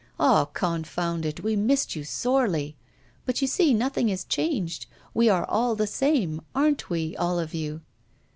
Ah, confound it! we missed you sorely. But, you see, nothing is changed; we are all the same aren't we, all of you?